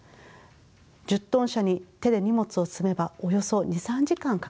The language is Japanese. １０トン車に手で荷物を積めばおよそ２３時間かかります。